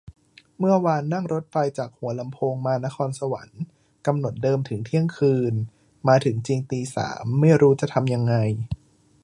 เมื่อวานนั่งรถไฟจากหัวลำโพงมานครสวรรค์ กำหนดเดิมถึงเที่ยงคืน มาถึงจริงตีสาม ไม่รู้จะทำยังไง